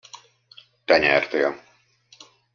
Te nyertél.